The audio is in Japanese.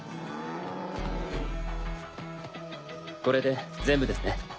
これで全部ですね。